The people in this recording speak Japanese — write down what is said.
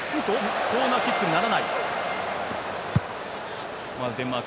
コーナーキックにならない。